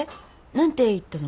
何て言ったの？